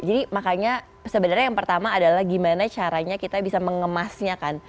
jadi makanya sebenarnya yang pertama adalah gimana caranya kita bisa mengemasnya kan